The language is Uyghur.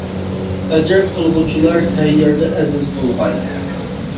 ئەجىر قىلغۇچىلار ھەر يەردە ئەزىز بولغاي!